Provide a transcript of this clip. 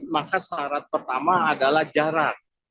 maka syarat pertama adalah jarak